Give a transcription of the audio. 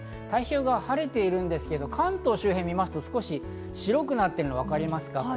太平洋側は晴れていますが関東周辺は少し白くなっているのがわかりますか？